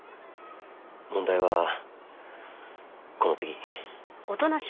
問題はこの次。